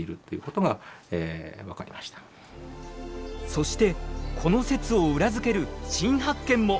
そしてこの説を裏付ける新発見も！